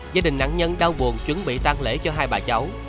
gia đình nạn nhân đau buồn chuẩn bị tan lễ cho hai bà cháu